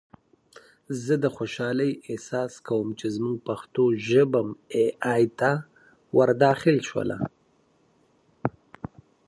هنر د انسان د تخلیق وړتیاوو د پراختیا او ابتکار لپاره غوره وسیله ده.